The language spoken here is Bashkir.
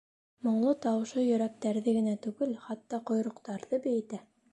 Моңло тауышы йөрәктәрҙе генә түгел, хатта ҡойроҡтарҙы бейетә!